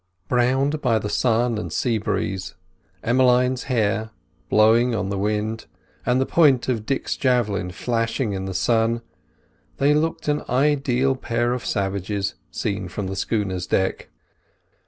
Browned by the sun and sea breeze, Emmeline's hair blowing on the wind, and the point of Dick's javelin flashing in the sun, they looked an ideal pair of savages, seen from the schooner's deck.